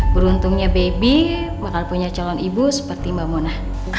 beruntungnya baby bakal punya calon ibu seperti mbak mona